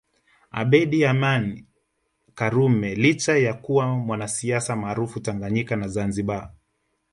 Abeid Amani karume licha ya kuwa mwanasiasa maarufu Tanganyika na Zanzibar